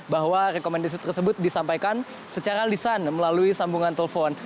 bahwa rekomendasi tersebut disampaikan secara lisan melalui sambungan telepon